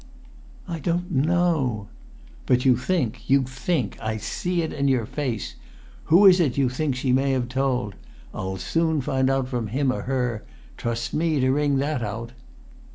"I don't know." "But you think—you think! I see it in your face. Who is it you think she may have told? I'll soon find out from him or her; trust me to wring that out!"